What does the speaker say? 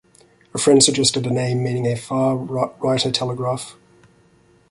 A friend suggested a name meaning a far writer, telegraph.